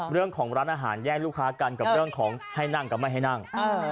เรื่องของร้านอาหารแย่งลูกค้ากันกับเรื่องของให้นั่งกับไม่ให้นั่ง